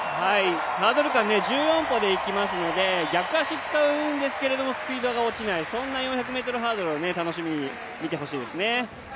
ハードル間１４歩でいきますので逆足使うんですけど、スピードが落ちないそんな４００ｍハードルを楽しみに見てほしいですね。